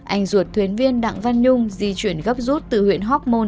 anh ruột thuyền viên đặng văn nhung di chuyển gấp rút từ huyện hoc mon